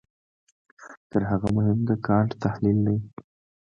تر هغه مهم د کانټ تحلیل دی.